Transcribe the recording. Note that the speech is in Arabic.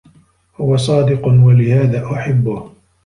هو صادق و لهذا أحبّه.